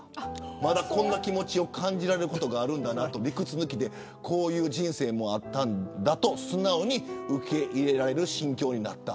まだ、こんな気持ちを感じられることがあるんだなと理屈抜きでこういう人生もあったんだと素直に受け入れられる心境になった。